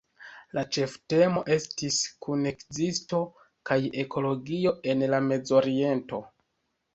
La ĉeftemo estis “kunekzisto kaj ekologio en la Mezoriento".